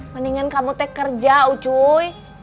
mendingan kamu kerja ucuy